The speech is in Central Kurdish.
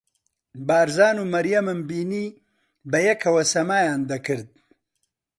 بارزان و مەریەمم بینی بەیەکەوە سەمایان دەکرد.